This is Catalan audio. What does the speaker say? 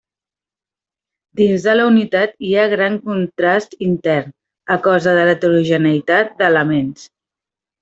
Dins de la unitat hi ha gran contrast intern, a causa de l'heterogeneïtat d'elements.